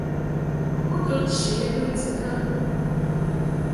U to che bə ndikə ?